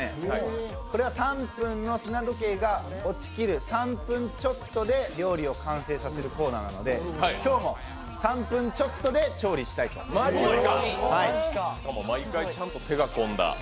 これは３分の砂時計が落ちきる３分ちょっとで料理を完成させるコーナーなので今日も３分ちょっとで調理したいとしかも毎回、ちゃんと手の込んだ